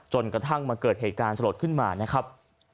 จนกระทั่งมาเกิดเหตุการณ์สลดขึ้นมานะครับ